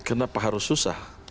kenapa harus susah